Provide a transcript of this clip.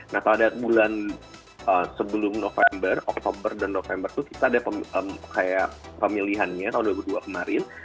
nah pada bulan sebelum november oktober dan november itu kita ada kayak pemilihannya tahun dua ribu dua kemarin